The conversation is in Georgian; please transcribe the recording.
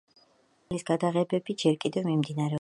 სერიალის გადაღებები ჯერ კიდევ მიმდინარეობს.